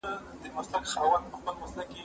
زه پرون سندري وايم!؟